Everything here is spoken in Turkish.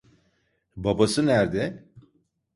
Babası nerede?